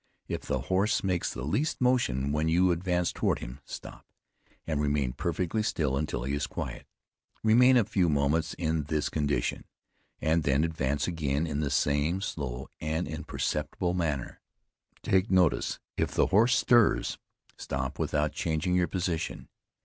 If the horse makes the least motion when you advance toward him, stop, and remain perfectly still until he is quiet. Remain a few moments in this condition, and then advance again in the same slow and imperceptible manner. Take notice: if the horse stirs, stop without changing your position.